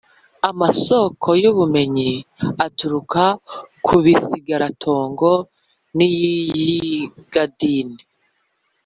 Amasoko y’ ubumenyi aturuka ku bisigaratongo n’iyigandimi